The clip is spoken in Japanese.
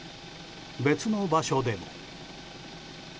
別の場所でも。